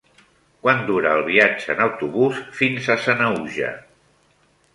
Quant dura el viatge en autobús fins a Sanaüja?